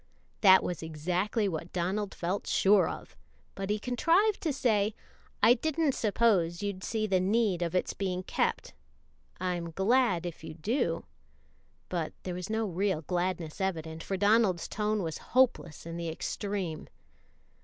That was exactly what Donald felt sure of, but he contrived to say, "I didn't suppose you'd see the need of its being kept I'm glad if you do;" but there was no real gladness evident, for Donald's tone was hopeless in the extreme.